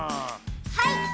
はい！